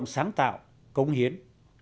sáng tạo cống hiến